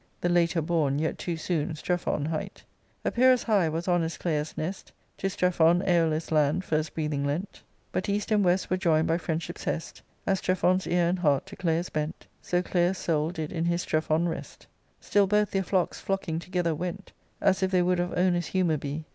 ; The later bom, yet too soon, Strephon hight. Epeirus high was honest Claius* nest; To Strephon ^Cole's land first breathing lent : But east and west were join'd by friendship's best. As Strephon's ear and h^aij: to Claius bent, So Claius' soul did in his Strephon rest. Still both their flocks flocking together went, As if they would of owners' humour be.